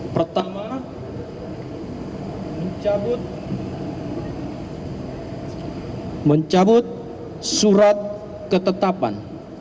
pertama mencabut surat ketetapan